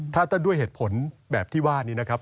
ถ้าด้วยเหตุผลแบบที่ว่านี้นะครับ